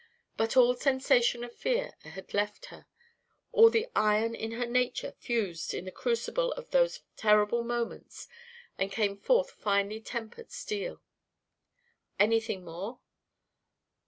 But all sensation of fear had left her. All the iron in her nature fused in the crucible of those terrible moments and came forth finely tempered steel. "Anything more?"